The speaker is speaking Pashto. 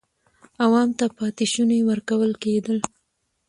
عوام ته پاتې شوني ورکول کېدل.